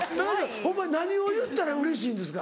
ホンマに何を言ったらうれしいんですか？